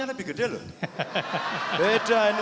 saya mendengar tadi gus yassin menceritakan dan